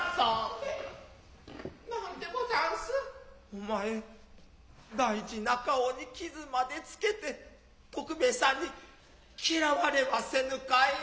お前大事な顔に傷までつけて徳兵衛さんにきらわれはせぬかえ。